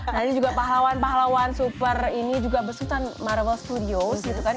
nah ini juga pahlawan pahlawan super ini juga besutan marvel studios gitu kan